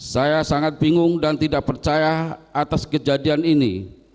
saya sangat bingung dan tidak percaya atas kejadian ini